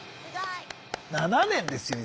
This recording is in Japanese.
７年ですよ